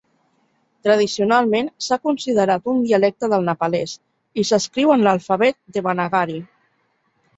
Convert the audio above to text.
Tradicionalment s'ha considerat un dialecte del nepalès i s'escriu en l'alfabet Devanagari.